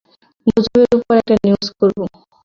গুজবের উপর একটা নিউজ করব।